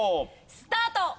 スタート！